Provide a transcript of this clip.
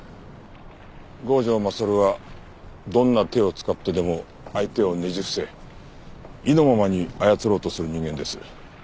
郷城勝はどんな手を使ってでも相手をねじ伏せ意のままに操ろうとする人間です。